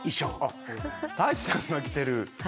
大地さんが着てる。